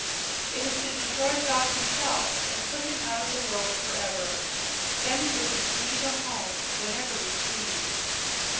"It is to destroy Zog himself and put him out of the world forever. Then we would be free to go home whenever we pleased."